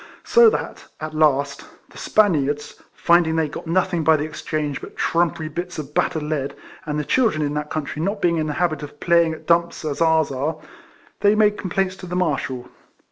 So that, at last, the Spaniards, finding they got nothing by the exchange but trumpery bits of battered lead, and the children in that country not being in the habit of phiy ing at dumps as ours are, they made com plaints to the Marshal.